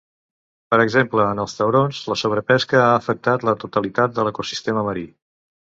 Per exemple en els taurons la sobrepesca ha afectat la totalitat de l'ecosistema marí.